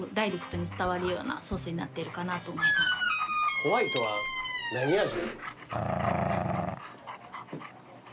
ホワイトは何味なの？